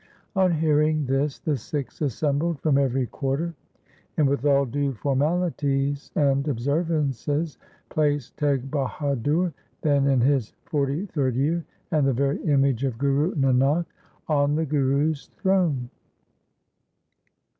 !' On hearing this the Sikhs assembled from every quarter, and with all due formalities and observances placed Teg Bahadur, then in his forty third year and the very image of Guru Nanak, on the Guru's throne.